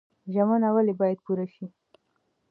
ژمنه ولې باید پوره شي؟